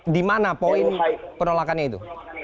di mana poin penolakannya itu